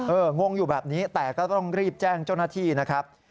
งงอยู่แบบนี้แต่ก็ต้องรีบแจ้งเจ้าหน้าที่นะครับ